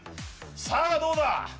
さぁどうだ？